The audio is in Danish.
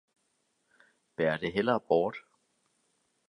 bær det hellere bort!